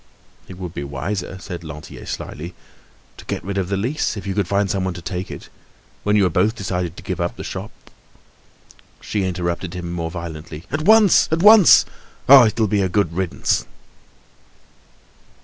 "It would be wiser," said Lantier slyly, "to get rid of the lease if you could find someone to take it. When you are both decided to give up the shop—" She interrupted him more violently: "At once, at once! Ah! it'll be a good riddance!"